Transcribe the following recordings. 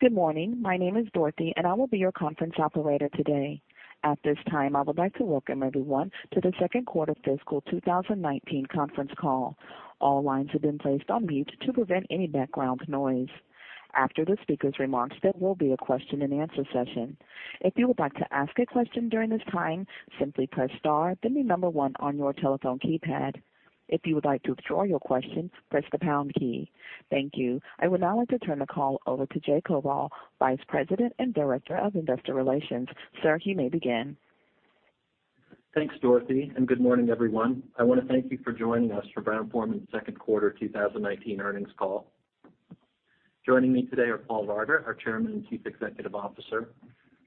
Good morning. My name is Dorothy, and I will be your conference Operator today. At this time, I would like to welcome everyone to the second quarter fiscal 2019 conference call. All lines have been placed on mute to prevent any background noise. After the speaker's remarks, there will be a question-and-answer session. If you would like to ask a question during this time, simply press star, then one on your telephone keypad. If you would like to withdraw your question, press the pound key. Thank you. I would now like to turn the call over to Jay Koval, Vice President and Director of Investor Relations. Sir, you may begin. Thanks, Dorothy. Good morning, everyone. I want to thank you for joining us for Brown-Forman's second quarter 2019 earnings call. Joining me today are Paul Varga, our Chairman and Chief Executive Officer,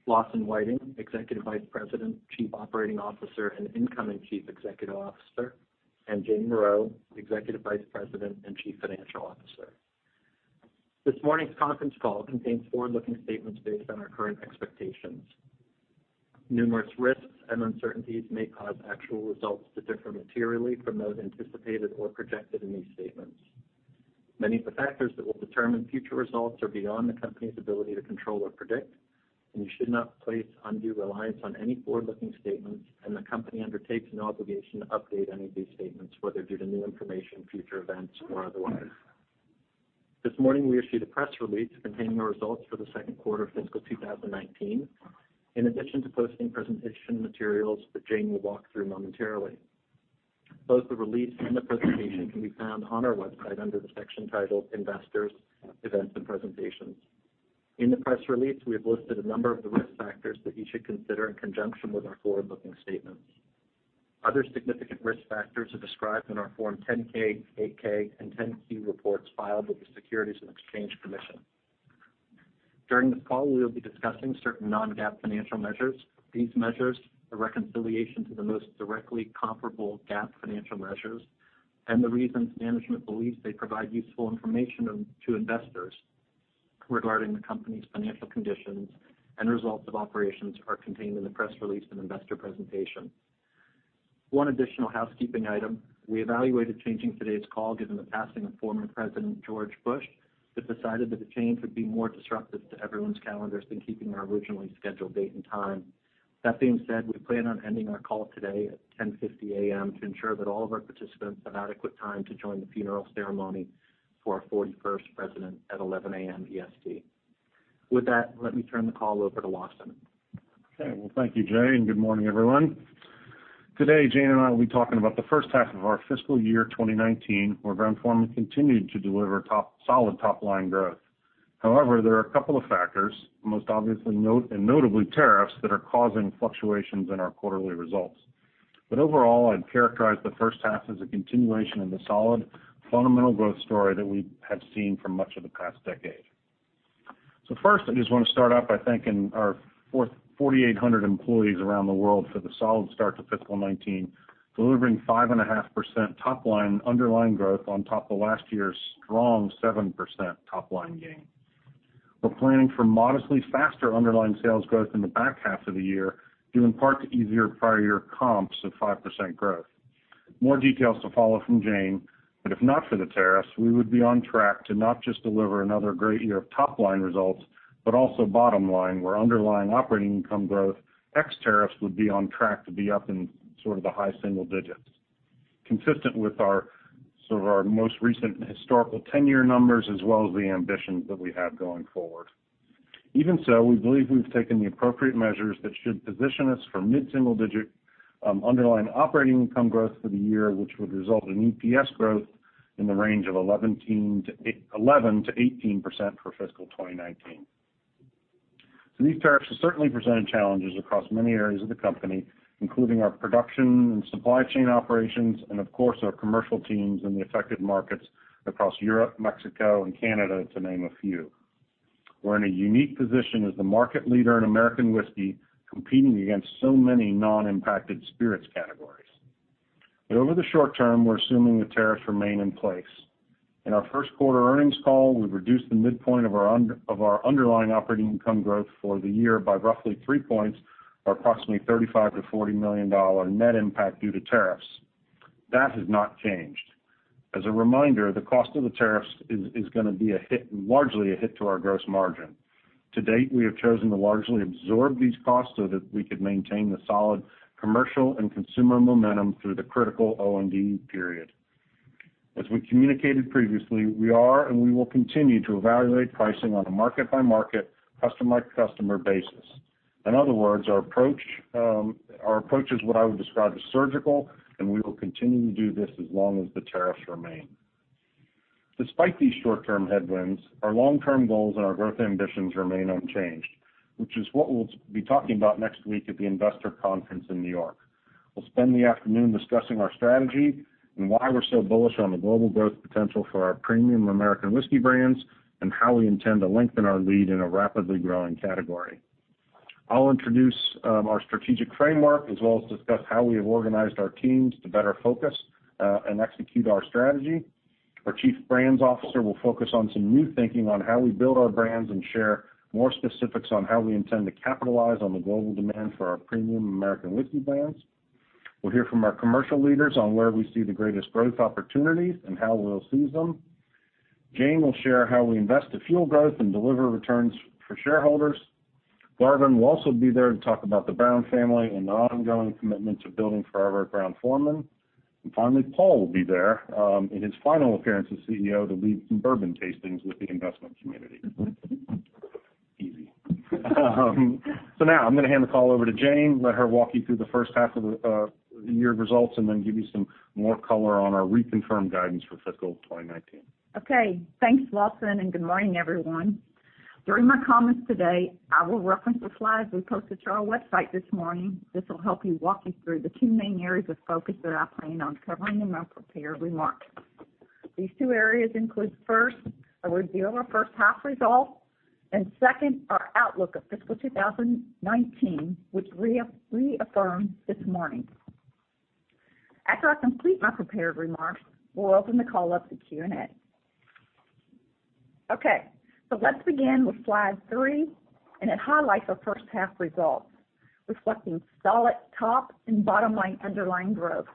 Lawson Whiting, Executive Vice President, Chief Operating Officer, and incoming Chief Executive Officer, and Jane Morreau, Executive Vice President and Chief Financial Officer. This morning's conference call contains forward-looking statements based on our current expectations. Numerous risks and uncertainties may cause actual results to differ materially from those anticipated or projected in these statements. Many of the factors that will determine future results are beyond the company's ability to control or predict. You should not place undue reliance on any forward-looking statements, and the company undertakes no obligation to update any of these statements, whether due to new information, future events, or otherwise. This morning, we issued a press release containing our results for the second quarter of fiscal 2019, in addition to posting presentation materials that Jane will walk through momentarily. Both the release and the presentation can be found on our website under the section titled Investors, Events and Presentations. In the press release, we have listed a number of the risk factors that you should consider in conjunction with our forward-looking statements. Other significant risk factors are described in our Form 10-K, 8-K, and 10-Q reports filed with the Securities and Exchange Commission. During this call, we will be discussing certain non-GAAP financial measures. These measures are reconciliation to the most directly comparable GAAP financial measures and the reasons management believes they provide useful information to investors regarding the company's financial conditions and results of operations are contained in the press release and investor presentation. One additional housekeeping item. We evaluated changing today's call given the passing of former President George Bush, decided that the change would be more disruptive to everyone's calendars than keeping our originally scheduled date and time. That being said, we plan on ending our call today at 10:50 A.M. to ensure that all of our participants have adequate time to join the funeral ceremony for our 41st president at 11:00 A.M. EST. With that, let me turn the call over to Lawson. Okay. Well, thank you, Jay, and good morning, everyone. Today, Jane and I will be talking about the first half of our fiscal year 2019, where Brown-Forman continued to deliver solid top-line growth. There are a couple of factors, most obviously and notably tariffs, that are causing fluctuations in our quarterly results. Overall, I'd characterize the first half as a continuation in the solid fundamental growth story that we have seen for much of the past decade. First, I just want to start off by thanking our 4,800 employees around the world for the solid start to fiscal 2019, delivering 5.5% top line underlying growth on top of last year's strong 7% top line gain. We're planning for modestly faster underlying sales growth in the back half of the year, due in part to easier prior year comps of 5% growth. More details to follow from Jane. If not for the tariffs, we would be on track to not just deliver another great year of top-line results, but also bottom line where underlying operating income growth, ex tariffs, would be on track to be up in sort of the high single digits, consistent with our sort of our most recent historical 10-year numbers as well as the ambitions that we have going forward. Even so, we believe we've taken the appropriate measures that should position us for mid-single digit underlying operating income growth for the year, which would result in EPS growth in the range of 11%-18% for fiscal 2019. These tariffs have certainly presented challenges across many areas of the company, including our production and supply chain operations and of course, our commercial teams in the affected markets across Europe, Mexico, and Canada, to name a few. We're in a unique position as the market leader in American whiskey, competing against so many non-impacted spirits categories. Over the short term, we're assuming the tariffs remain in place. In our first quarter earnings call, we've reduced the midpoint of our underlying operating income growth for the year by roughly three points or approximately $35 million-$40 million net impact due to tariffs. That has not changed. As a reminder, the cost of the tariffs is going to be largely a hit to our gross margin. To date, we have chosen to largely absorb these costs so that we could maintain the solid commercial and consumer momentum through the critical OND period. As we communicated previously, we are and we will continue to evaluate pricing on a market-by-market, customer-by-customer basis. In other words, our approach is what I would describe as surgical, and we will continue to do this as long as the tariffs remain. Despite these short-term headwinds, our long-term goals and our growth ambitions remain unchanged, which is what we'll be talking about next week at the investor conference in New York. We'll spend the afternoon discussing our strategy and why we're so bullish on the global growth potential for our premium American whiskey brands and how we intend to lengthen our lead in a rapidly growing category. I'll introduce our strategic framework as well as discuss how we have organized our teams to better focus and execute our strategy. Our Chief Brands Officer will focus on some new thinking on how we build our brands and share more specifics on how we intend to capitalize on the global demand for our premium American whiskey brands. We'll hear from our commercial leaders on where we see the greatest growth opportunities and how we'll seize them. Jane will share how we invest to fuel growth and deliver returns for shareholders. Garvin will also be there to talk about the Brown family and their ongoing commitment to building forever at Brown-Forman. Finally, Paul will be there, in his final appearance as CEO, to lead some bourbon tastings with the investment community. Easy. Now I'm going to hand the call over to Jane, let her walk you through the first half of the year results, and then give you some more color on our reconfirmed guidance for fiscal 2019. Okay. Thanks, Lawson, good morning, everyone. During my comments today, I will reference the slides we posted to our website this morning. This will help me walk you through the two main areas of focus that I plan on covering in my prepared remarks. These two areas include, first, a review of our first half results, and second, our outlook of fiscal 2019, which we reaffirm this morning. After I complete my prepared remarks, we'll open the call up to Q&A. Let's begin with slide three, and it highlights our first half results, reflecting solid top and bottom line underlying growth,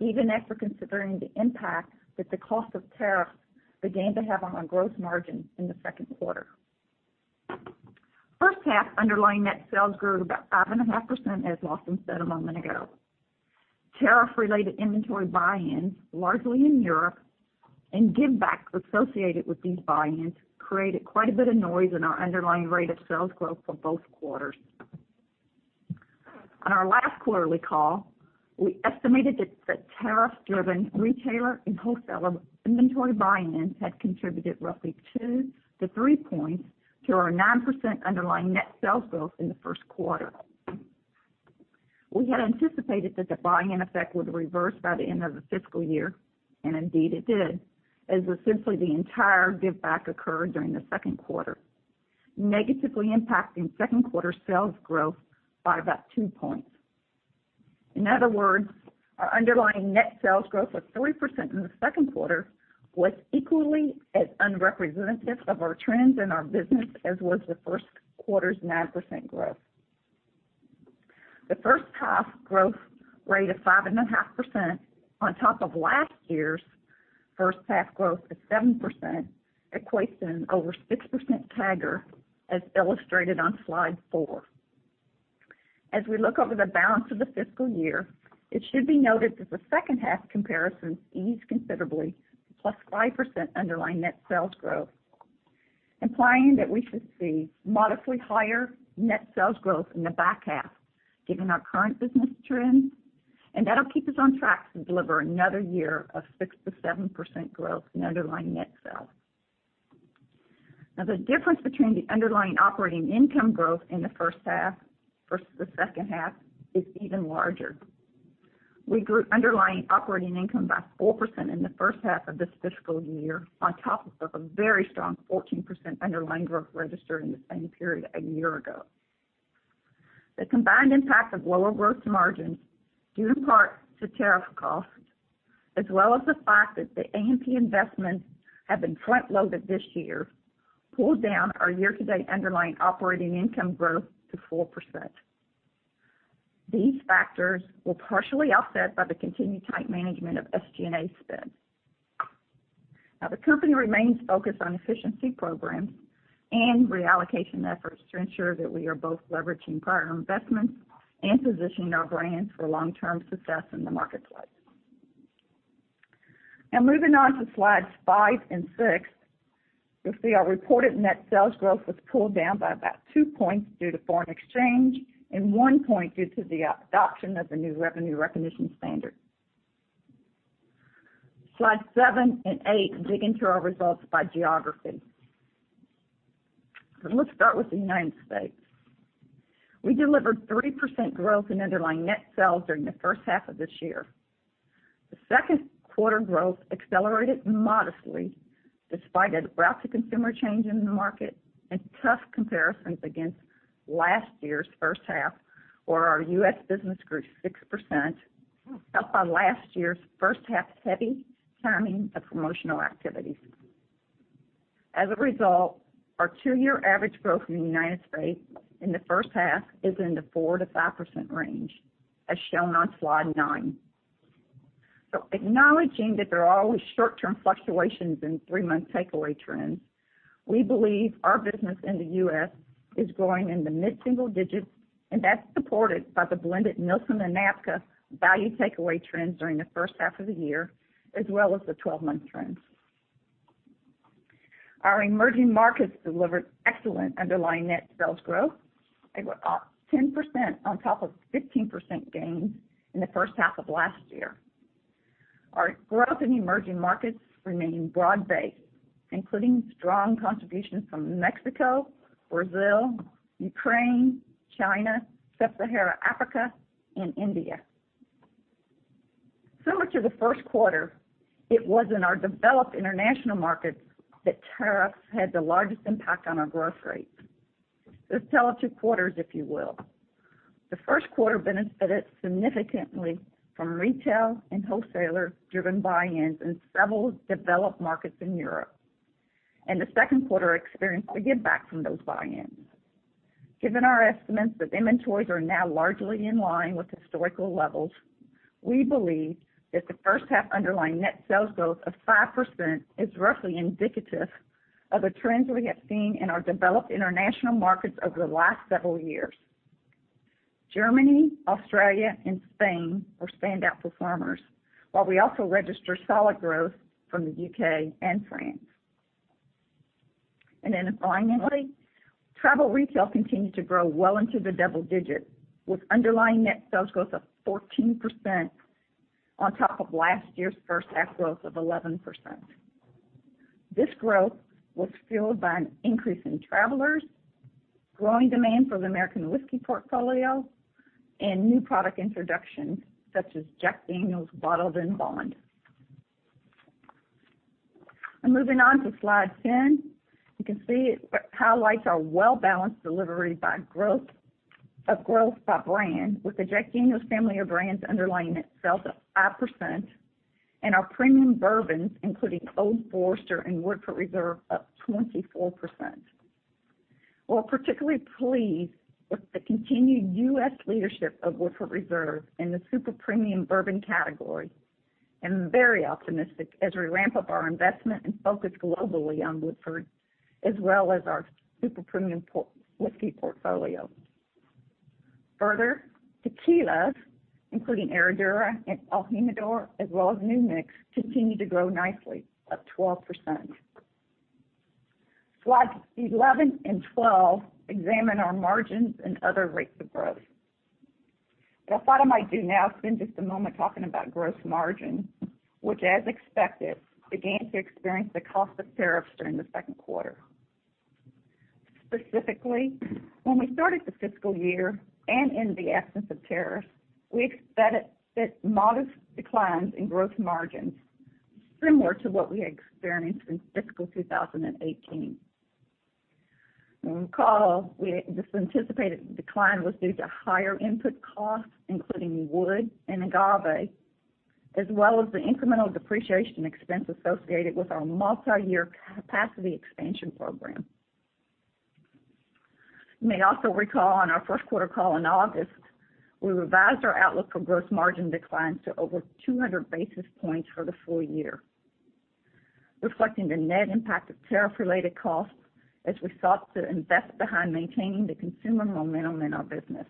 even after considering the impact that the cost of tariffs began to have on our growth margin in the second quarter. First half underlying net sales grew about 5.5%, as Lawson said a moment ago. Tariff-related inventory buy-ins, largely in Europe, give backs associated with these buy-ins, created quite a bit of noise in our underlying rate of sales growth for both quarters. On our last quarterly call, we estimated that tariff-driven retailer and wholesaler inventory buy-ins had contributed roughly two to three points to our 9% underlying net sales growth in the first quarter. We had anticipated that the buy-in effect would reverse by the end of the fiscal year, indeed it did, as essentially the entire give back occurred during the second quarter, negatively impacting second quarter sales growth by about two points. In other words, our underlying net sales growth of 3% in the second quarter was equally as unrepresentative of our trends and our business as was the first quarter's 9% growth. The first half growth rate of 5.5% on top of last year's first half growth of 7% equates to an over 6% CAGR, as illustrated on slide four. As we look over the balance of the fiscal year, it should be noted that the second half comparison eased considerably to +5% underlying net sales growth, implying that we should see modestly higher net sales growth in the back half, given our current business trends, and that'll keep us on track to deliver another year of 6%-7% growth in underlying net sales. The difference between the underlying operating income growth in the first half versus the second half is even larger. We grew underlying operating income by 4% in the first half of this fiscal year, on top of a very strong 14% underlying growth registered in the same period a year ago. The combined impact of lower gross margins, due in part to tariff costs, as well as the fact that the A&P investments have been front-loaded this year, pulled down our year-to-date underlying operating income growth to 4%. These factors were partially offset by the continued tight management of SG&A spend. The company remains focused on efficiency programs and reallocation efforts to ensure that we are both leveraging prior investments and positioning our brands for long-term success in the marketplace. Moving on to slides five and six. You'll see our reported net sales growth was pulled down by about 2 points due to foreign exchange and one point due to the adoption of the new revenue recognition standard. Slide seven and eight dig into our results by geography. Let's start with the U.S. We delivered 3% growth in underlying net sales during the first half of this year. The second quarter growth accelerated modestly despite a drastic consumer change in the market and tough comparisons against last year's first half, where our U.S. business grew 6%, up on last year's first half heavy timing of promotional activities. As a result, our two-year average growth in the U.S. in the first half is in the 4%-5% range, as shown on slide nine. Acknowledging that there are always short-term fluctuations in three-month takeaway trends, we believe our business in the U.S. is growing in the mid-single digits, and that's supported by the blended Nielsen and NABCA value takeaway trends during the first half of the year, as well as the 12-month trends. Our emerging markets delivered excellent underlying net sales growth. They were up 10% on top of 15% gains in the first half of last year. Our growth in emerging markets remained broad-based, including strong contributions from Mexico, Brazil, Ukraine, China, Sub-Saharan Africa, and India. Similar to the first quarter, it was in our developed international markets that tariffs had the largest impact on our growth rates. The tale of two quarters, if you will. The first quarter benefited significantly from retail and wholesaler-driven buy-ins in several developed markets in Europe. The second quarter experienced a giveback from those buy-ins. Given our estimates that inventories are now largely in line with historical levels, we believe that the first half underlying net sales growth of 5% is roughly indicative of the trends we have seen in our developed international markets over the last several years. Germany, Australia, and Spain were standout performers. While we also registered solid growth from the U.K. and France. Finally, travel retail continued to grow well into the double digits, with underlying net sales growth of 14% on top of last year's first half growth of 11%. This growth was fueled by an increase in travelers, growing demand for the American whiskey portfolio, and new product introductions such as Jack Daniel's Bottled-in-Bond. Moving on to slide 10, you can see how our well balanced delivery of growth by brand with the Jack Daniel's family of brands underlying net sales up 5%, and our premium bourbons including Old Forester and Woodford Reserve up 24%. We're particularly pleased with the continued U.S. leadership of Woodford Reserve in the super premium bourbon category, and very optimistic as we ramp up our investment and focus globally on Woodford, as well as our super premium whiskey portfolio. Further, tequilas, including Herradura and El Jimador, as well as New Mix, continue to grow nicely at 12%. Slides 11 and 12 examine our margins and other rates of growth. What I thought I might do now is spend just a moment talking about gross margin, which, as expected, began to experience the cost of tariffs during the second quarter. Specifically, when we started the fiscal year, and in the absence of tariffs, we expected modest declines in gross margins, similar to what we had experienced in fiscal 2018. You'll recall, this anticipated decline was due to higher input costs, including wood and agave, as well as the incremental depreciation expense associated with our multi-year capacity expansion program. You may also recall on our first quarter call in August, we revised our outlook for gross margin declines to over 200 basis points for the full year, reflecting the net impact of tariff-related costs as we sought to invest behind maintaining the consumer momentum in our business.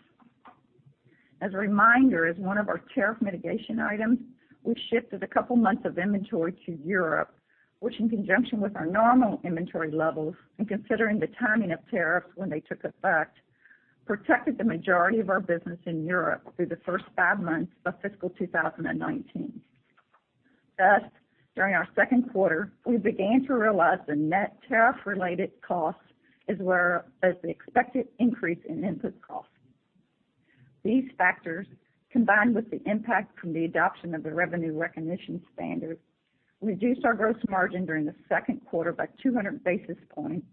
As a reminder, as one of our tariff mitigation items, we shifted a couple of months of inventory to Europe, which in conjunction with our normal inventory levels and considering the timing of tariffs when they took effect, protected the majority of our business in Europe through the first five months of fiscal 2019. Thus, during our second quarter, we began to realize the net tariff-related costs as the expected increase in input costs. These factors, combined with the impact from the adoption of the revenue recognition standard, reduced our gross margin during the second quarter by 200 basis points,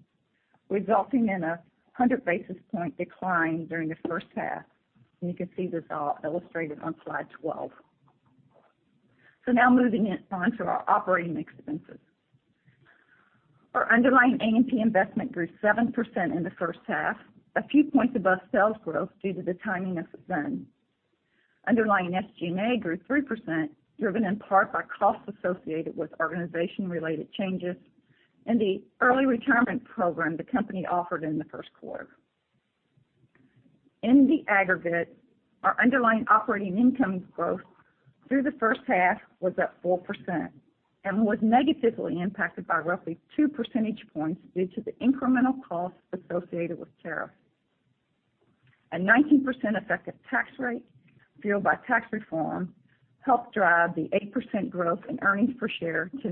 resulting in a 100 basis point decline during the first half. You can see this all illustrated on slide 12. Now moving on to our operating expenses. Our underlying A&P investment grew 7% in the first half, a few points above sales growth due to the timing of the spend. Underlying SG&A grew 3%, driven in part by costs associated with organization-related changes and the early retirement program the company offered in the first quarter. In the aggregate, our underlying operating income growth through the first half was up 4% and was negatively impacted by roughly two percentage points due to the incremental costs associated with tariffs. A 19% effective tax rate fueled by tax reform helped drive the 8% growth in earnings per share to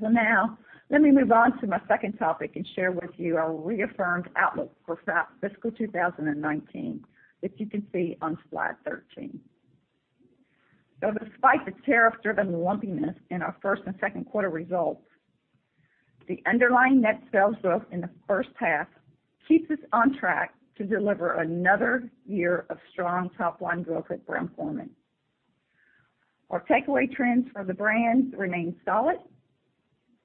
$0.93. Now let me move on to my second topic and share with you our reaffirmed outlook for fiscal 2019, which you can see on slide 13. Despite the tariff-driven lumpiness in our first and second quarter results, the underlying net sales growth in the first half keeps us on track to deliver another year of strong top-line growth at Brown-Forman. Our takeaway trends for the brands remain solid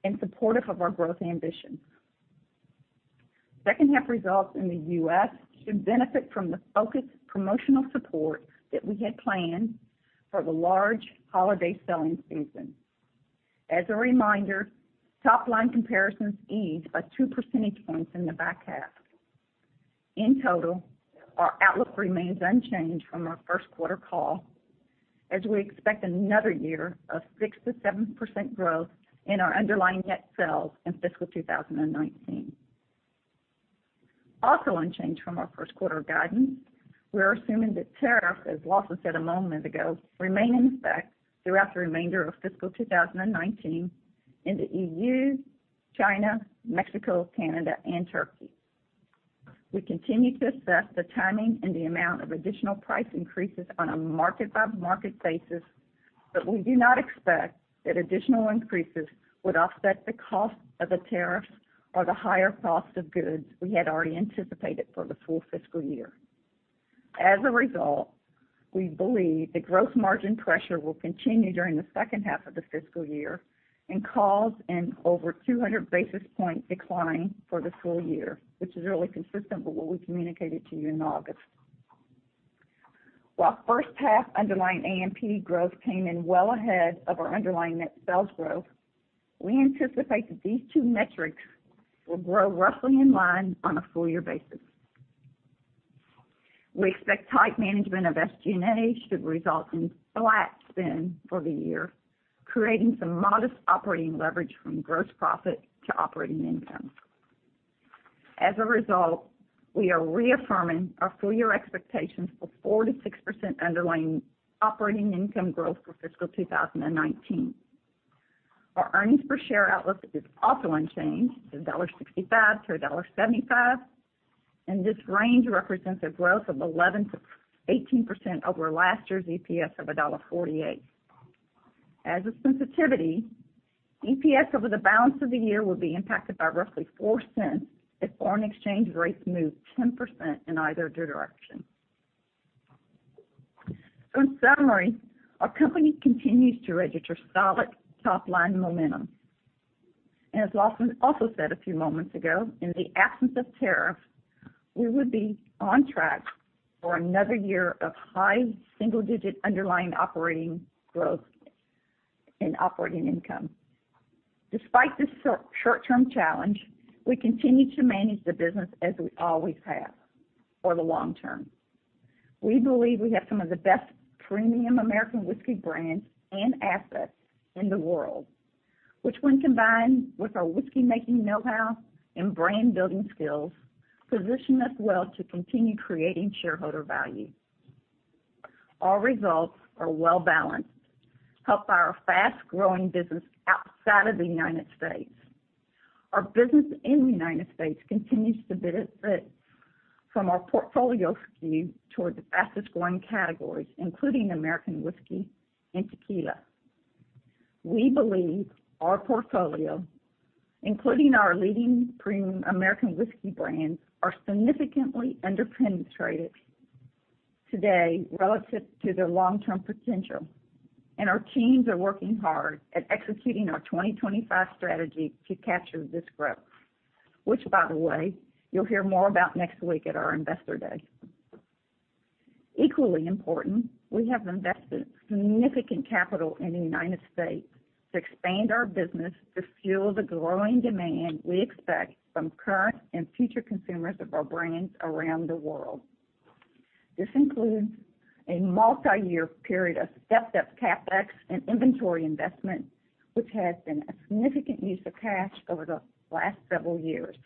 and supportive of our growth ambitions. Second half results in the U.S. should benefit from the focused promotional support that we had planned for the large holiday selling season. As a reminder, top-line comparisons ease by two percentage points in the back half. In total, our outlook remains unchanged from our first quarter call, as we expect another year of 6%-7% growth in our underlying net sales in fiscal 2019. Also unchanged from our first quarter guidance, we're assuming that tariffs, as Lawson said a moment ago, remain in effect throughout the remainder of fiscal 2019 in the EU, China, Mexico, Canada, and Turkey. We continue to assess the timing and the amount of additional price increases on a market-by-market basis, but we do not expect that additional increases would offset the cost of the tariffs or the higher cost of goods we had already anticipated for the full fiscal year. As a result, we believe the growth margin pressure will continue during the second half of the fiscal year and cause an over 200 basis point decline for the full year, which is really consistent with what we communicated to you in August. While first half underlying A&P growth came in well ahead of our underlying net sales growth, we anticipate that these two metrics will grow roughly in line on a full-year basis. We expect tight management of SG&A should result in flat spend for the year, creating some modest operating leverage from gross profit to operating income. As a result, we are reaffirming our full-year expectations for 4%-6% underlying operating income growth for fiscal 2019. Our earnings per share outlook is also unchanged at $1.65-$1.75, and this range represents a growth of 11%-18% over last year's EPS of $1.48. As a sensitivity, EPS over the balance of the year will be impacted by roughly $0.04 if foreign exchange rates move 10% in either direction. In summary, our company continues to register solid top-line momentum. As Lawson also said a few moments ago, in the absence of tariffs, we would be on track for another year of high single-digit underlying operating growth in operating income. Despite this short-term challenge, we continue to manage the business as we always have for the long term. We believe we have some of the best premium American whiskey brands and assets in the world, which when combined with our whiskey-making know-how and brand-building skills, position us well to continue creating shareholder value. Our results are well-balanced, helped by our fast-growing business outside of the U.S. Our business in the U.S. continues to benefit from our portfolio skewed towards the fastest-growing categories, including American whiskey and tequila. We believe our portfolio, including our leading premium American whiskey brands, are significantly under-penetrated today relative to their long-term potential. Our teams are working hard at executing our 2025 strategy to capture this growth, which by the way, you'll hear more about next week at our investor day. Equally important, we have invested significant capital in the U.S. to expand our business to fuel the growing demand we expect from current and future consumers of our brands around the world. This includes a multi-year period of stepped-up CapEx and inventory investment, which has been a significant use of cash over the last several years.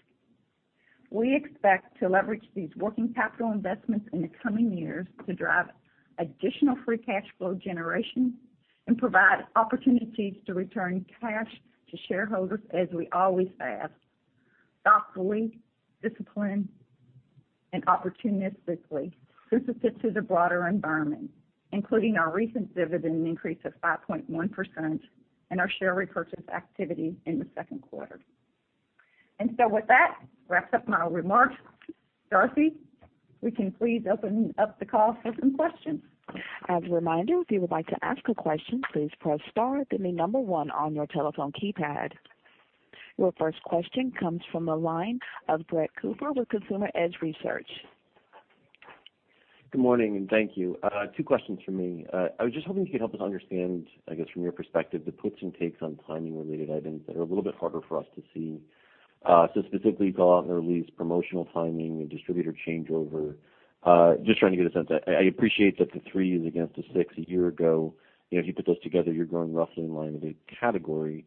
We expect to leverage these working capital investments in the coming years to drive additional free cash flow generation and provide opportunities to return cash to shareholders as we always have, thoughtfully, disciplined, and opportunistically sensitive to the broader environment, including our recent dividend increase of 5.1% and our share repurchase activity in the second quarter. With that, wraps up my remarks. Dorothy, we can please open up the call for some questions. As a reminder, if you would like to ask a question, please press star, then the number one on your telephone keypad. Your first question comes from the line of Brett Cooper with Consumer Edge Research. Good morning. Thank you. Two questions from me. I was just hoping you could help us understand, I guess, from your perspective, the puts and takes on timing-related items that are a little bit harder for us to see. Specifically, call-out and release promotional timing and distributor changeover. Just trying to get a sense. I appreciate that the three is against the six a year ago. If you put those together, you're growing roughly in line with the category.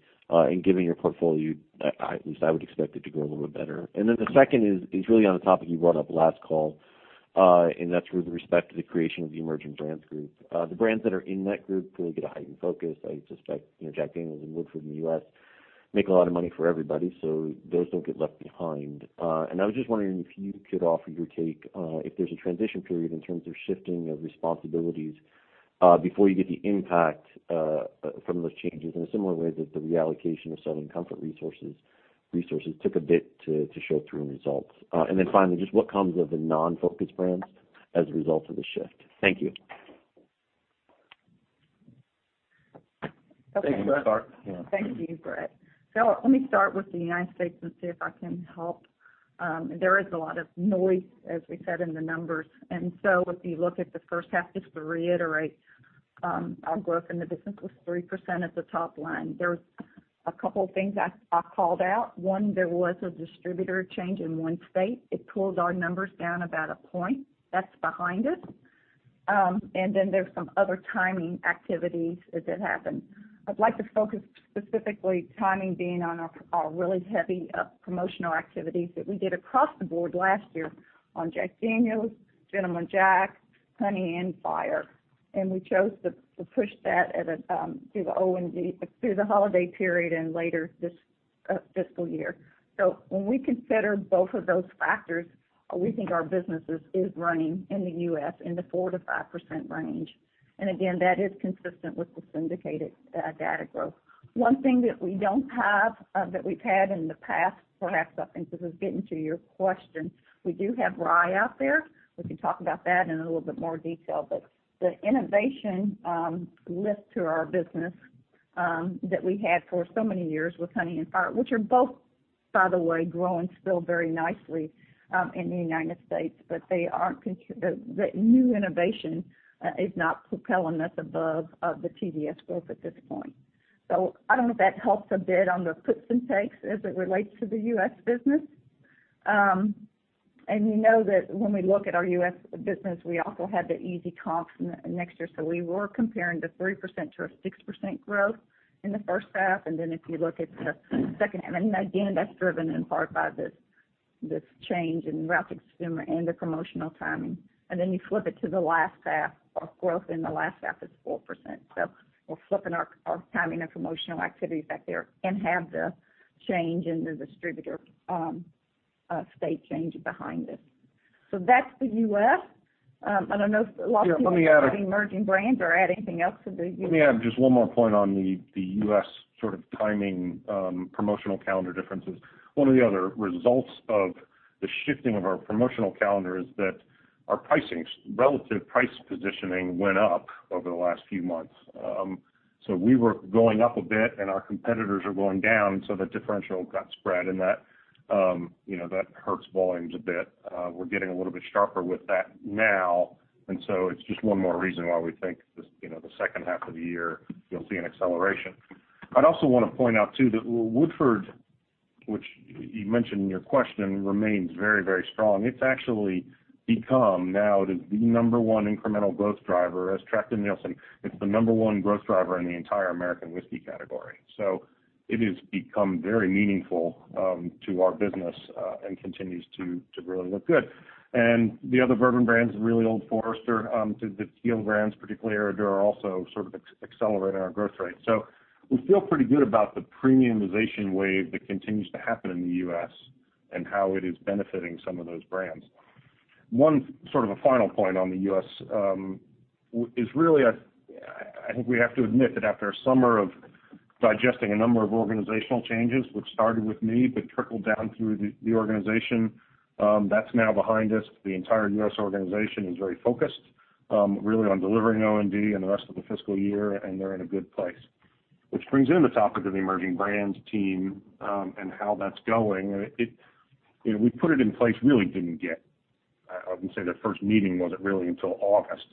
Given your portfolio, at least I would expect it to grow a little bit better. Then the second is really on the topic you brought up last call, and that's with respect to the creation of the emerging brands group. The brands that are in that group probably get a heightened focus. I suspect Jack Daniel's and Woodford in the U.S. make a lot of money for everybody. Those don't get left behind. I was just wondering if you could offer your take, if there's a transition period in terms of shifting of responsibilities before you get the impact from those changes in a similar way that the reallocation of Southern Comfort resources took a bit to show through in results. Finally, just what comes of the non-focus brands as a result of the shift? Thank you. Thank you, Brett. You want to start? Thank you, Brett. Let me start with the United States and see if I can help. There is a lot of noise, as we said, in the numbers. If you look at the first half, just to reiterate, our growth in the business was 3% at the top line. There's a couple things I called out. One, there was a distributor change in one state. It pulled our numbers down about a point. That's behind us. There's some other timing activities that did happen. I'd like to focus specifically timing being on our really heavy promotional activities that we did across the board last year on Jack Daniel's, Gentleman Jack, Honey, and Fire. We chose to push that through the holiday period and later this fiscal year. When we consider both of those factors, we think our business is running in the U.S. in the 4%-5% range. Again, that is consistent with the syndicated data growth. One thing that we don't have that we've had in the past, perhaps, I think this is getting to your question, we do have rye out there. We can talk about that in a little bit more detail. The innovation lift to our business that we had for so many years with Honey and Fire, which are both, by the way, growing still very nicely in the U.S. The new innovation is not propelling us above the TBS growth at this point. I don't know if that helps a bit on the puts and takes as it relates to the U.S. business. You know that when we look at our U.S. business, we also had the easy comps next year, so we were comparing the 3%-6% growth in the first half. If you look at the second, that's driven in part by this change in Ralphs consumer and the promotional timing. You flip it to the last half of growth, the last half is 4%. We're flipping our timing and promotional activities back there and have the change in the distributor state change behind this. That's the U.S. I don't know if Lawson- Let me add- has any emerging brands or add anything else to the U.S. Let me add just one more point on the U.S. timing promotional calendar differences. One of the other results of the shifting of our promotional calendar is that our pricing, relative price positioning went up over the last few months. We were going up a bit, and our competitors are going down, the differential got spread and that hurts volumes a bit. We're getting a little bit sharper with that now, it's just one more reason why we think the second half of the year, you'll see an acceleration. I'd also want to point out too that Woodford, which you mentioned in your question, remains very strong. It's actually become now the number one incremental growth driver, as tracked in Nielsen. It's the number one growth driver in the entire American whiskey category. It has become very meaningful to our business and continues to really look good. The other bourbon brands, really Old Forester, the tequila brands, particularly Herradura, also sort of accelerate our growth rate. We feel pretty good about the premiumization wave that continues to happen in the U.S. and how it is benefiting some of those brands. One sort of a final point on the U.S., is really, I think we have to admit that after a summer of digesting a number of organizational changes, which started with me but trickled down through the organization, that's now behind us. The entire U.S. organization is very focused, really on delivering OND in the rest of the fiscal year, and they're in a good place. Which brings in the topic of the emerging brands team, and how that's going. We put it in place, really didn't get I would say the first meeting wasn't really until August.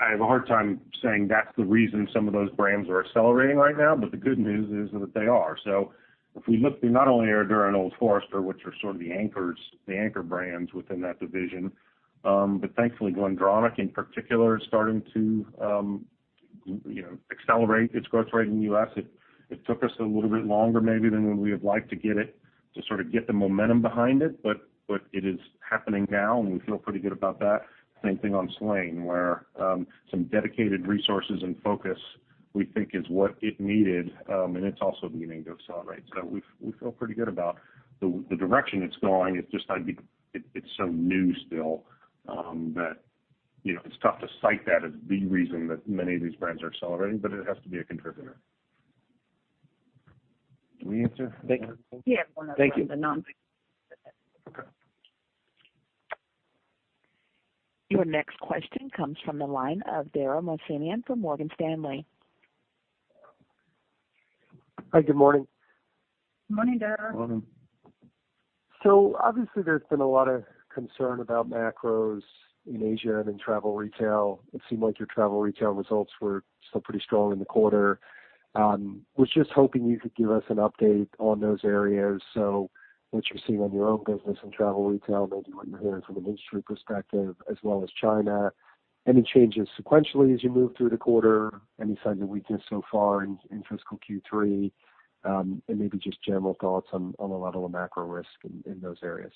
I have a hard time saying that's the reason some of those brands are accelerating right now. The good news is that they are. If we look through not only Herradura and Old Forester, which are sort of the anchor brands within that division, but thankfully, GlenDronach, in particular, is starting to accelerate its growth rate in the U.S. It took us a little bit longer maybe than when we would like to get it, to sort of get the momentum behind it. It is happening now, and we feel pretty good about that. Same thing on Slane, where some dedicated resources and focus we think is what it needed, and it's also beginning to accelerate. We feel pretty good about the direction it's going. It's just like it's so new still, that it's tough to cite that as the reason that many of these brands are accelerating, but it has to be a contributor. Did we answer? Yes. Thank you. One of the non- Okay. Your next question comes from the line of Dara Mohsenian from Morgan Stanley. Hi, good morning. Morning, Dara. Morning. Obviously there's been a lot of concern about macros in Asia and in travel retail. It seemed like your travel retail results were still pretty strong in the quarter. Was just hoping you could give us an update on those areas. What you're seeing on your own business in travel retail, maybe what you're hearing from an industry perspective as well as China. Any changes sequentially as you move through the quarter, any signs of weakness so far in fiscal Q3? Maybe just general thoughts on the level of macro risk in those areas.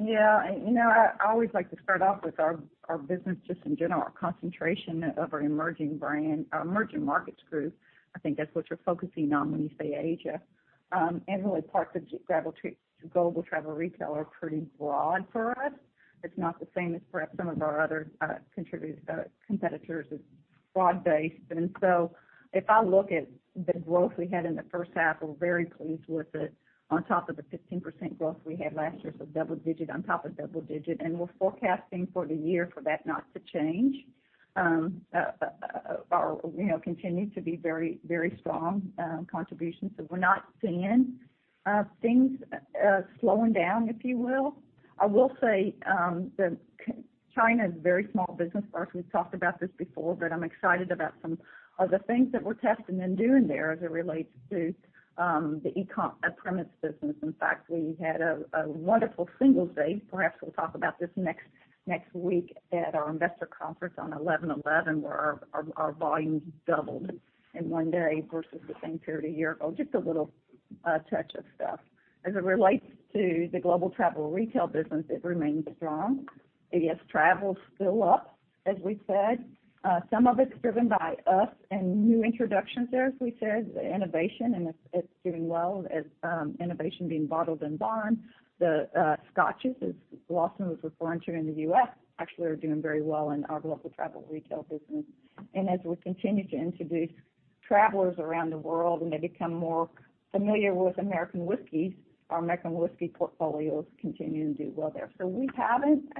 I always like to start off with our business just in general, our concentration of our emerging markets group. I think that's what you're focusing on when you say Asia. Really parts of global travel retail are pretty broad for us. It's not the same as perhaps some of our other competitors. It's broad-based. If I look at the growth we had in the first half, we're very pleased with it on top of the 15% growth we had last year. Double digit on top of double digit. We're forecasting for the year for that not to change, or continue to be very strong contribution. We're not seeing things slowing down, if you will. I will say that China is a very small business for us. We've talked about this before, I'm excited about some of the things that we're testing and doing there as it relates to the e-com premise business. In fact, we had a wonderful Singles' Day. Perhaps we'll talk about this next week at our investor conference on 11.11, where our volumes doubled in one day versus the same period a year ago. Just a little touch of stuff. As it relates to the global travel retail business, it remains strong. I guess travel's still up, as we've said. Some of it's driven by us and new introductions there, as we said, innovation, and it's doing well as innovation being Bottled-in-Bond. The scotches, as Lawson was referring to in the U.S., actually are doing very well in our global travel retail business. As we continue to introduce travelers around the world, and they become more familiar with American whiskeys, our American whiskey portfolios continue to do well there.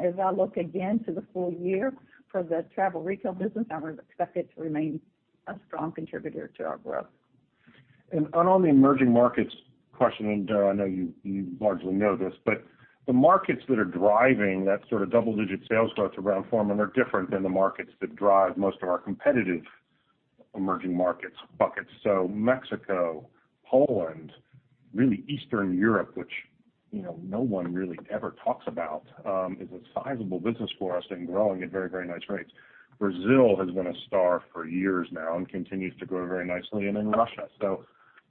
As I look again to the full year for the travel retail business, I would expect it to remain a strong contributor to our growth. On the emerging markets question, Dara, I know you largely know this, the markets that are driving that sort of double-digit sales growth around Brown-Forman are different than the markets that drive most of our competitive emerging markets buckets. Mexico, Poland, really Eastern Europe, which no one really ever talks about, is a sizable business for us and growing at very nice rates. Brazil has been a star for years now and continues to grow very nicely, and then Russia.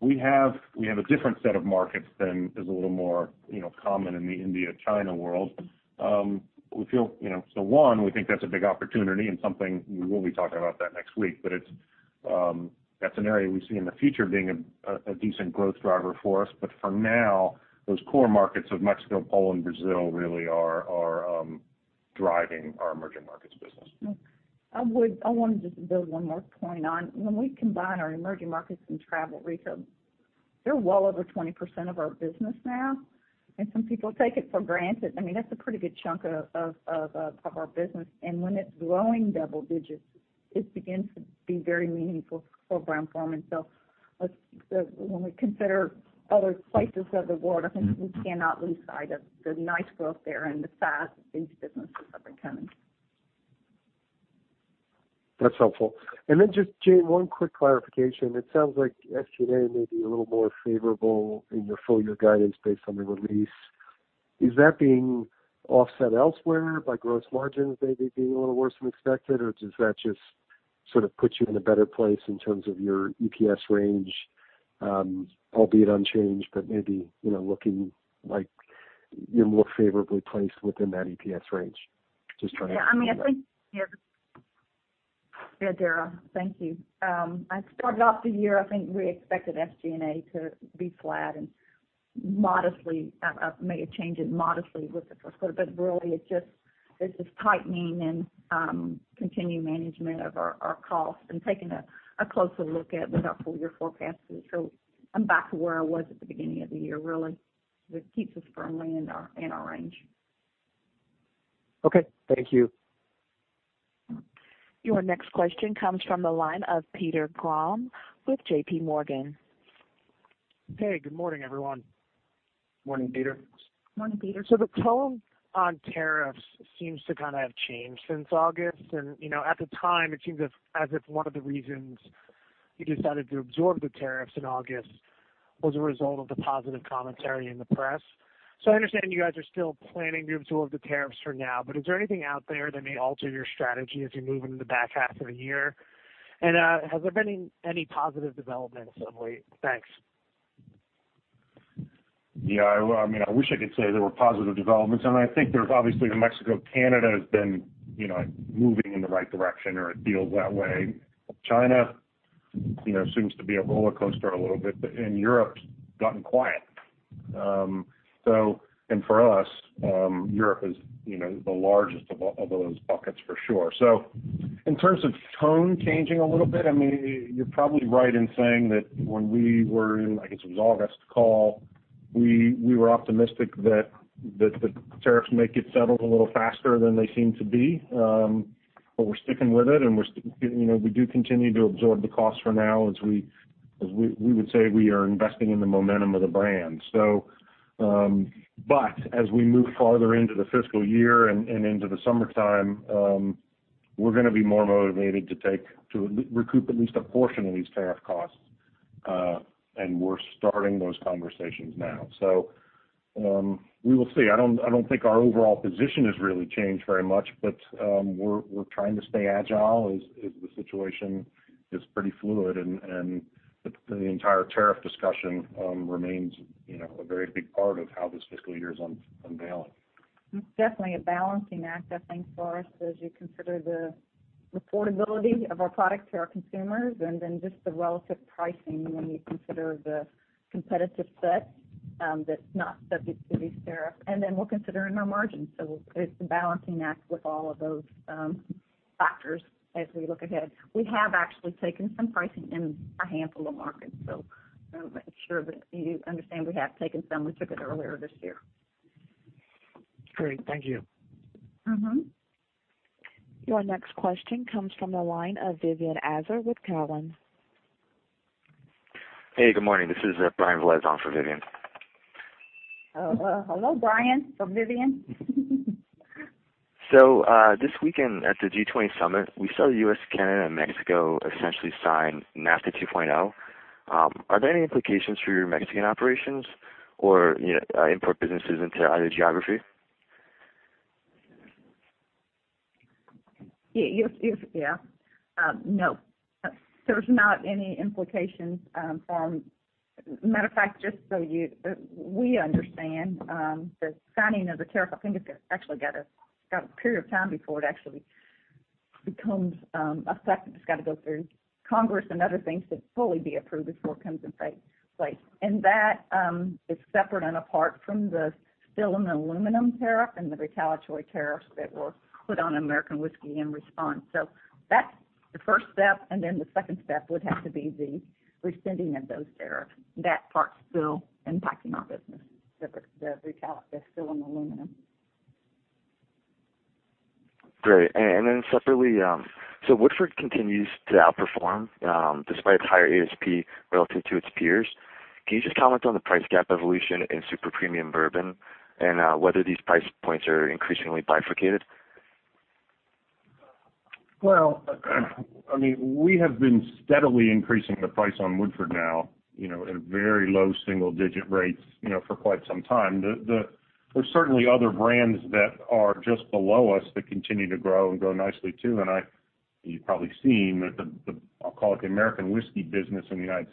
We have a different set of markets than is a little more common in the India, China world. One, we think that's a big opportunity and something we will be talking about that next week. That's an area we see in the future being a decent growth driver for us. For now, those core markets of Mexico, Poland, Brazil really are driving our emerging markets business. I want to just build one more point on. When we combine our emerging markets and travel retail, they're well over 20% of our business now, and some people take it for granted. That's a pretty good chunk of our business. When it's growing double digits, it begins to be very meaningful for Brown-Forman. When we consider other places of the world, I think we cannot lose sight of the nice growth there and the size these businesses have become. That's helpful. Just, Jane, one quick clarification. It sounds like SG&A may be a little more favorable in your full-year guidance based on the release. Is that being offset elsewhere by gross margins maybe being a little worse than expected? Does that just sort of put you in a better place in terms of your EPS range? Albeit unchanged, maybe looking like you're more favorably placed within that EPS range? Yeah, Dara. Thank you. I started off the year, I think we expected SG&A to be flat I made changes modestly with it. Really, it's just tightening and continuing management of our costs and taking a closer look at our full-year forecast. I'm back to where I was at the beginning of the year, really. It keeps us firmly in our range. Okay. Thank you. Your next question comes from the line of Peter Grom with JPMorgan. Hey, good morning, everyone. Morning, Peter. Morning, Peter. The tone on tariffs seems to have changed since August. At the time, it seems as if one of the reasons you decided to absorb the tariffs in August was a result of the positive commentary in the press. I understand you guys are still planning to absorb the tariffs for now, but is there anything out there that may alter your strategy as you move into the back half of the year? Has there been any positive developments of late? Thanks. Yeah. I wish I could say there were positive developments. I think there's obviously the Mexico-Canada has been moving in the right direction, or it feels that way. China seems to be a roller coaster a little bit. Europe's gotten quiet. For us, Europe is the largest of all those buckets for sure. In terms of tone changing a little bit, you're probably right in saying that when we were in, I guess it was August call, we were optimistic that the tariffs may get settled a little faster than they seem to be. We're sticking with it, and we do continue to absorb the cost for now as we would say we are investing in the momentum of the brand. As we move farther into the fiscal year and into the summertime, we're going to be more motivated to recoup at least a portion of these tariff costs. We're starting those conversations now. We will see. I don't think our overall position has really changed very much, but we're trying to stay agile as the situation is pretty fluid, and the entire tariff discussion remains a very big part of how this fiscal year is unveiling. It's definitely a balancing act, I think, for us, as you consider the affordability of our product to our consumers and then just the relative pricing when you consider the competitive set that's not subject to these tariffs. Then we're considering our margins. It's a balancing act with all of those factors as we look ahead. We have actually taken some pricing in a handful of markets. I'm sure that you understand we have taken some. We took it earlier this year. Great. Thank you. Your next question comes from the line of Vivien Azer with Cowen. Hey, good morning. This is Brian Valez on for Vivien. Hello, Brian from Vivien. This weekend at the G20 Summit, we saw the U.S., Canada, and Mexico essentially sign NAFTA 2.0. Are there any implications for your Mexican operations or import businesses into either geography? No. There's not any implications from. Matter of fact, just so we understand, the signing of the tariff, it's actually got a period of time before it actually becomes effective. It's got to go through Congress and other things to fully be approved before it comes in place. That is separate and apart from the steel and aluminum tariff, and the retaliatory tariffs that were put on American whiskey in response. That's the first step, and then the second step would have to be the resending of those tariffs. That part's still impacting our business, the retaliatory tariffs are still on aluminum. Great. Woodford continues to outperform, despite higher ASP relative to its peers. Can you just comment on the price gap evolution in super premium bourbon, and whether these price points are increasingly bifurcated? We have been steadily increasing the price on Woodford now, at a very low single-digit rates for quite some time. There's certainly other brands that are just below us that continue to grow and grow nicely too. You've probably seen the, I'll call it the American whiskey business in the U.S.,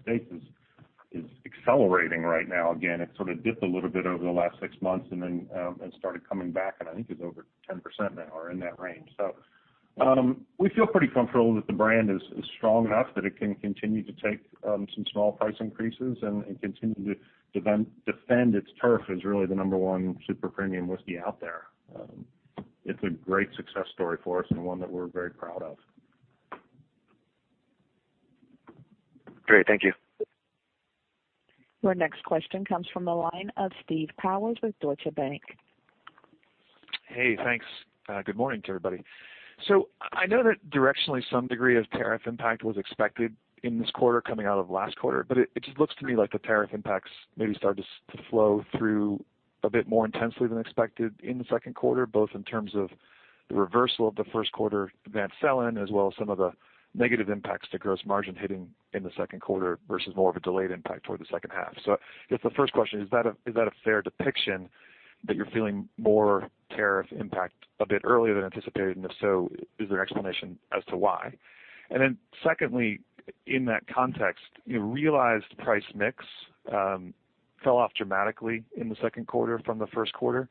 is accelerating right now. It sort of dipped a little bit over the last six months. Then it started coming back, and it's over 10% now or in that range. We feel pretty comfortable that the brand is strong enough that it can continue to take some small price increases and continue to defend its turf as really the number one super premium whiskey out there. It's a great success story for us, and one that we're very proud of. Great. Thank you. Your next question comes from the line of Steve Powers with Deutsche Bank. Hey, thanks. Good morning to everybody. I know that directionally some degree of tariff impact was expected in this quarter coming out of last quarter, it just looks to me like the tariff impacts maybe started to flow through a bit more intensely than expected in the second quarter, both in terms of the reversal of the first quarter advance sell-in as well as some of the negative impacts to gross margin hitting in the second quarter versus more of a delayed impact toward the second half. I guess the first question, is that a fair depiction that you're feeling more tariff impact a bit earlier than anticipated? If so, is there an explanation as to why? Secondly, in that context, realized price mix fell off dramatically in the second quarter from the first quarter,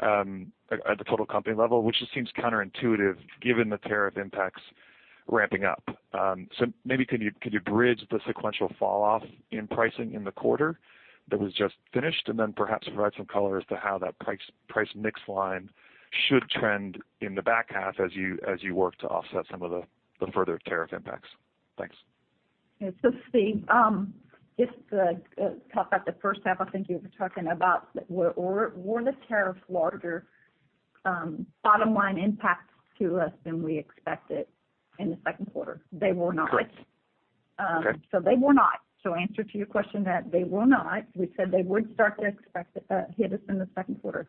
at the total company level, which just seems counterintuitive given the tariff impacts ramping up. Maybe could you bridge the sequential fall off in pricing in the quarter that was just finished, and then perhaps provide some color as to how that price mix line should trend in the back half as you work to offset some of the further tariff impacts. Thanks. Yeah. Steve, just to talk about the first half, I think you were talking about were the tariff larger bottom line impacts to us than we expected in the second quarter? They were not. Correct. Okay. They were not. Answer to your question, that they were not. We said they would start to hit us in the second quarter.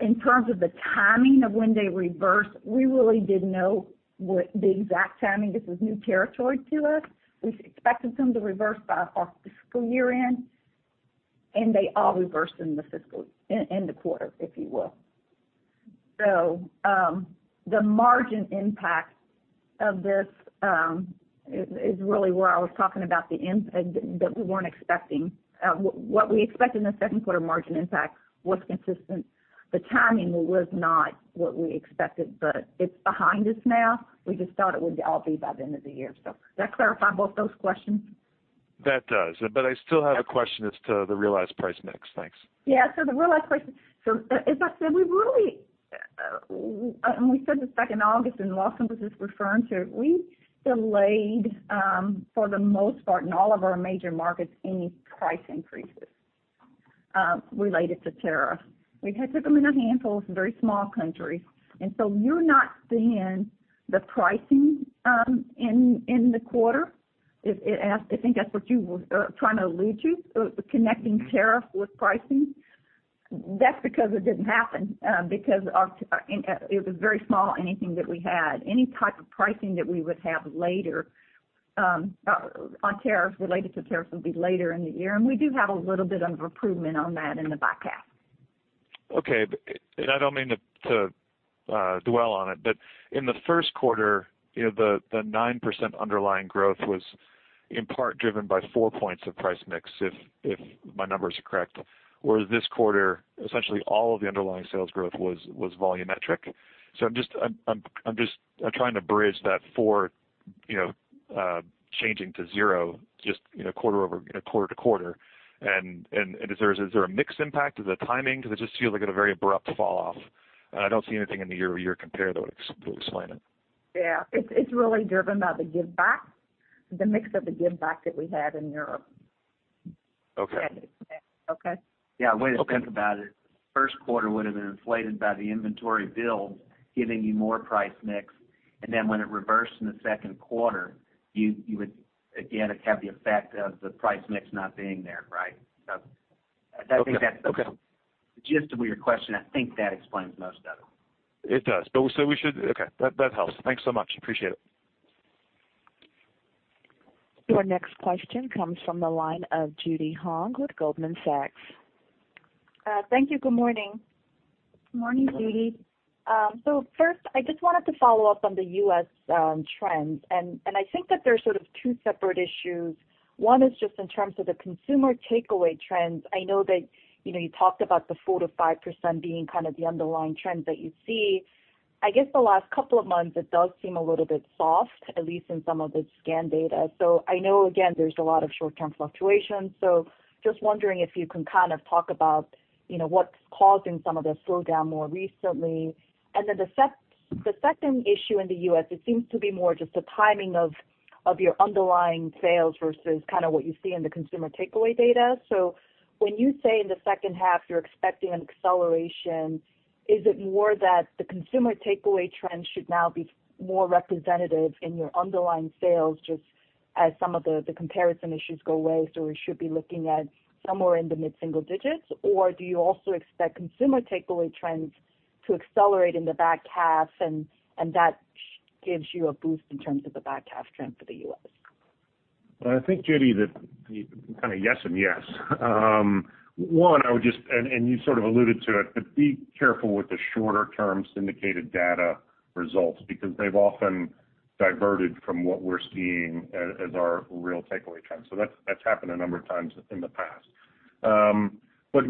In terms of the timing of when they reverse, we really didn't know what the exact timing, this was new territory to us. We expected some to reverse by our fiscal year-end, and they all reversed in the quarter, if you will. The margin impact of this, is really where I was talking about that we weren't expecting. What we expect in the second quarter margin impact was consistent. The timing was not what we expected, but it's behind us now. We just thought it would all be by the end of the year. Does that clarify both those questions? That does. I still have a question as to the realized price mix. Thanks. Yeah, the realized price, as I said, and we said this back in August, and Lawson was just referring to it. We delayed, for the most part, in all of our major markets, any price increases, related to tariff. We had took them in a handful of very small countries. You're not seeing the pricing in the quarter. I think that's what you were trying to allude to, connecting tariff with pricing. That's because it didn't happen, because it was very small, anything that we had. Any type of pricing that we would have later, on tariffs, related to tariffs, would be later in the year. We do have a little bit of a improvement on that in the back half. Okay. I don't mean to dwell on it, in the first quarter, the 9% underlying growth was in part driven by four points of price mix, if my numbers are correct. Whereas this quarter, essentially all of the underlying sales growth was volumetric. I'm just trying to bridge that four changing to zero just quarter-to-quarter. Is there a mix impact? Is it timing? It just feels like a very abrupt fall off, and I don't see anything in the year-over-year compare that would explain it. Yeah. It's really driven by the give back, the mix of the give back that we had in Europe. Okay. Okay? Yeah. Way to think about it, first quarter would've been inflated by the inventory build giving you more price mix, and then when it reversed in the second quarter, you would again have the effect of the price mix not being there, right? Okay. I think that's the gist of your question. I think that explains most of it. It does. Okay. That helps. Thanks so much. Appreciate it. Your next question comes from the line of Judy Hong with Goldman Sachs. Thank you. Good morning. Morning, Judy. First, I just wanted to follow up on the U.S. trends, I think that there's sort of two separate issues. One is just in terms of the consumer takeaway trends. I know that you talked about the 4%-5% being kind of the underlying trend that you see. I guess the last couple of months, it does seem a little bit soft, at least in some of the scan data. I know, again, there's a lot of short-term fluctuations, just wondering if you can kind of talk about what's causing some of the slowdown more recently. The second issue in the U.S., it seems to be more just the timing of your underlying sales versus what you see in the consumer takeaway data. When you say in the second half you're expecting an acceleration, is it more that the consumer takeaway trend should now be more representative in your underlying sales, just as some of the comparison issues go away, so we should be looking at somewhere in the mid-single digits? Do you also expect consumer takeaway trends to accelerate in the back half, and that gives you a boost in terms of the back half trend for the U.S.? Well, I think, Judy, that kind of yes and yes. One, I would just, and you sort of alluded to it, but be careful with the shorter-term syndicated data results, because they've often diverted from what we're seeing as our real takeaway trend. That's happened a number of times in the past.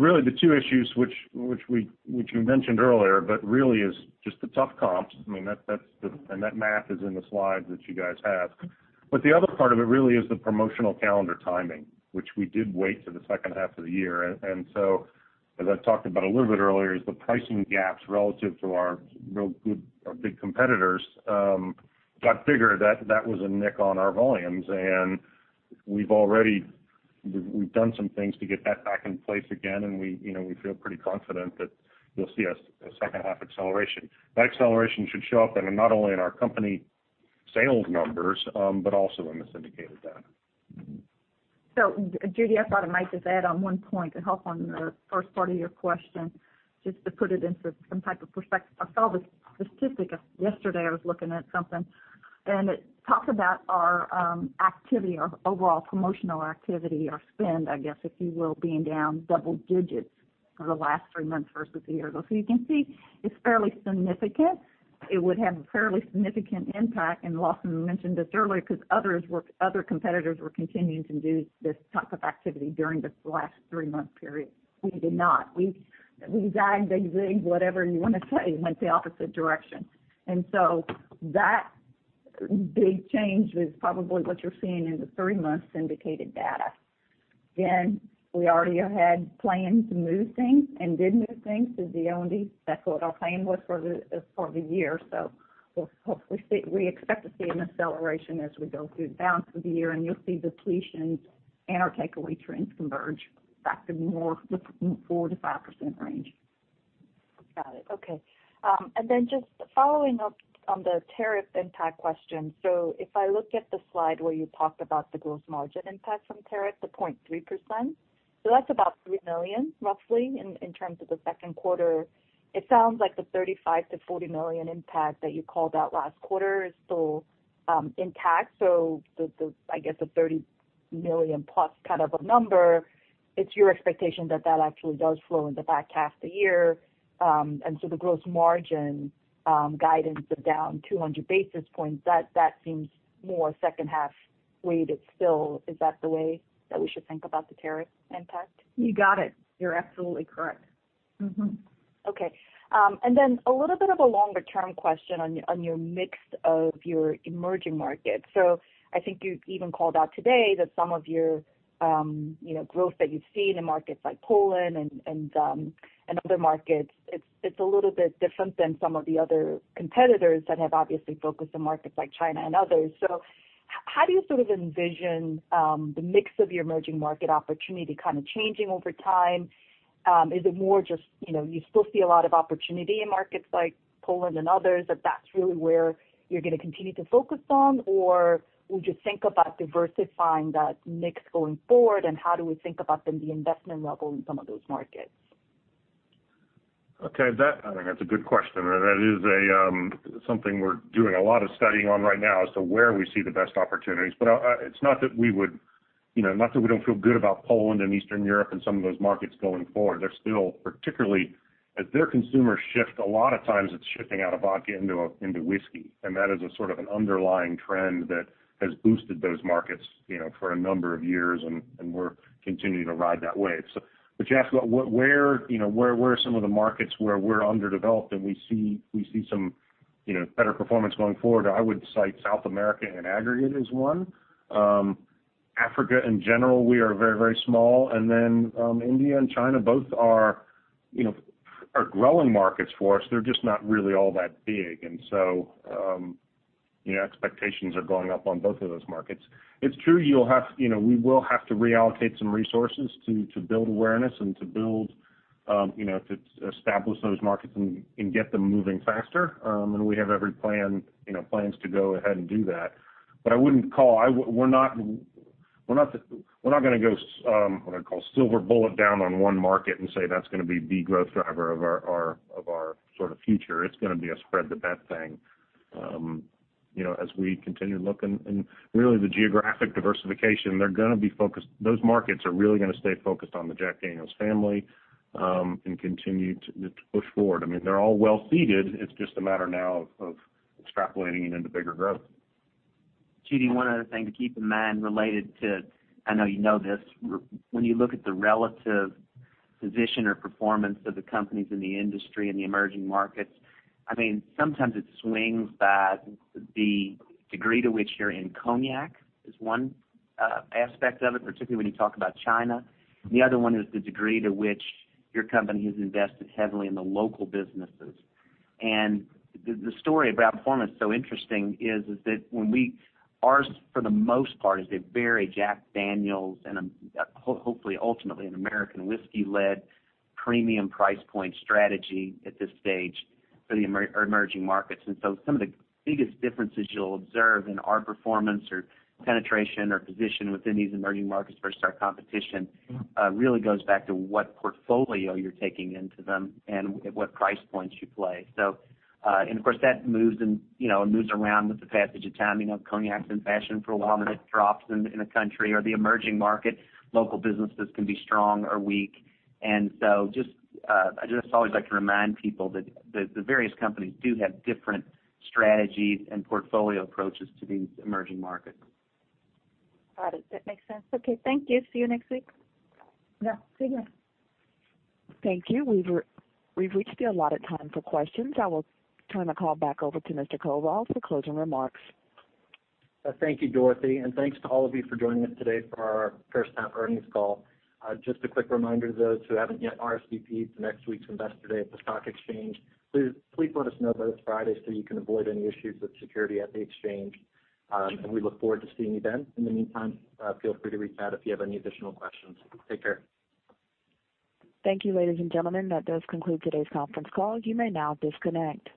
Really, the two issues which you mentioned earlier, but really is just the tough comps. That math is in the slides that you guys have. The other part of it really is the promotional calendar timing, which we did wait till the second half of the year. As I talked about a little bit earlier, is the pricing gaps relative to our real good, our big competitors, got bigger. That was a nick on our volumes, and we've done some things to get that back in place again, and we feel pretty confident that you'll see a second half acceleration. That acceleration should show up not only in our company sales numbers, but also in the syndicated data. Judy Hong, I thought I might just add on one point to help on the first part of your question, just to put it into some type of perspective. I saw this statistic yesterday. I was looking at something, and it talked about our activity, our overall promotional activity, our spend, I guess, if you will, being down double digits for the last 3 months versus a year ago. You can see it's fairly significant. It would have a fairly significant impact, and Lawson Whiting mentioned this earlier, because other competitors were continuing to do this type of activity during this last 3-month period. We did not. We zigged, they zigged, whatever you want to say, went the opposite direction. That big change is probably what you're seeing in the 3-month syndicated data. We already had planned to move things and did move things, that's what our plan was for the year. We expect to see an acceleration as we go through the balance of the year, and you'll see depletions and our takeaway trends converge back to the more 4% to 5% range. Got it. Okay. Just following up on the tariff impact question. If I look at the slide where you talked about the gross margin impact from tariff, the 0.3%, that's about $3 million, roughly, in terms of the second quarter. It sounds like the $35 million-$40 million impact that you called out last quarter is still intact. I guess the $30 million-plus kind of a number, it's your expectation that that actually does flow in the back half of the year. The gross margin guidance of down 200 basis points, that seems more second half weighted still. Is that the way that we should think about the tariff impact? You got it. You're absolutely correct. Okay. A little bit of a longer-term question on your mix of your emerging markets. I think you even called out today that some of your growth that you've seen in markets like Poland and other markets, it's a little bit different than some of the other competitors that have obviously focused on markets like China and others. How do you sort of envision the mix of your emerging market opportunity kind of changing over time? Is it more just you still see a lot of opportunity in markets like Poland and others, that that's really where you're going to continue to focus on? Or would you think about diversifying that mix going forward, and how do we think about then the investment level in some of those markets? Okay. I think that's a good question. That is something we're doing a lot of studying on right now as to where we see the best opportunities. It's not that we don't feel good about Poland and Eastern Europe and some of those markets going forward. They're still, particularly as their consumers shift, a lot of times it's shifting out of vodka into whiskey, and that is a sort of an underlying trend that has boosted those markets for a number of years, and we're continuing to ride that wave. You asked about where some of the markets where we're underdeveloped and we see some better performance going forward. I would cite South America in aggregate as one. Africa in general, we are very small. India and China both are growing markets for us. They're just not really all that big. Expectations are going up on both of those markets. It's true we will have to reallocate some resources to build awareness and to establish those markets and get them moving faster. We have every plans to go ahead and do that. We're not going to go, what I call, silver bullet down on one market and say that's going to be the growth driver of our future. It's going to be a spread-the-bet thing as we continue to look. Really, the geographic diversification, those markets are really going to stay focused on the Jack Daniel's family, and continue to push forward. They're all well-seeded. It's just a matter now of extrapolating it into bigger growth. Judy, one other thing to keep in mind related to, I know you know this, when you look at the relative position or performance of the companies in the industry and the emerging markets, sometimes it swings by the degree to which you're in cognac, is one aspect of it, particularly when you talk about China. The other one is the degree to which your company has invested heavily in the local businesses. The story of Brown-Forman that's so interesting is that ours, for the most part, is a very Jack Daniel's and hopefully ultimately an American whiskey-led premium price point strategy at this stage for the emerging markets. Some of the biggest differences you'll observe in our performance or penetration or position within these emerging markets versus our competition really goes back to what portfolio you're taking into them and at what price points you play. Of course, that moves around with the passage of time. Cognac's in fashion for a while, it drops in a country or the emerging market. Local businesses can be strong or weak. So I just always like to remind people that the various companies do have different strategies and portfolio approaches to these emerging markets. Got it. That makes sense. Okay. Thank you. See you next week. Yeah. See you. Thank you. We've reached the allotted time for questions. I will turn the call back over to Mr. Koval for closing remarks. Thank you, Dorothy, and thanks to all of you for joining us today for our first half earnings call. Just a quick reminder to those who haven't yet RSVP'd to next week's Investor Day at the stock exchange, please let us know by this Friday so you can avoid any issues with security at the exchange. We look forward to seeing you then. In the meantime, feel free to reach out if you have any additional questions. Take care. Thank you, ladies and gentlemen. That does conclude today's conference call. You may now disconnect.